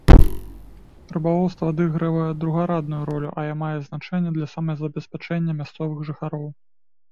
Рыбалоўства адыгрывае другарадную ролю, але мае значэнне для самазабеспячэння мясцовых жыхароў.